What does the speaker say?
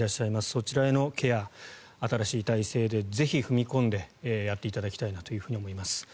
そちらへのケア、新しい体制でぜひ踏み込んでやっていただきたいなと思います。